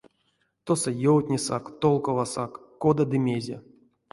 Тосо ёвтнесак, толковасак, кода ды мезе.